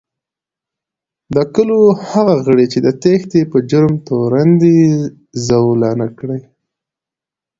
د کلو هغه غړي چې د تېښتې په جرم تورن دي، زولانه کړي